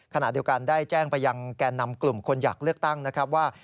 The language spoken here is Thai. ขณะเดียวกันได้แจ้งไปยังแก่นำกลุ่มคนอยากเลือกตั้งนะครับว่า